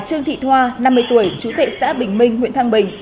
trương thị thoa năm mươi tuổi chú tệ xã bình minh huyện thăng bình